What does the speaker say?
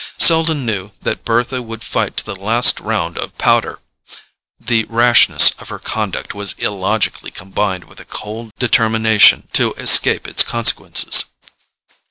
Selden knew that Bertha would fight to the last round of powder: the rashness of her conduct was illogically combined with a cold determination to escape its consequences.